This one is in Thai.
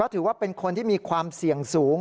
ถือว่าเป็นคนที่มีความเสี่ยงสูง